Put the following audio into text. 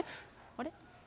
あれ？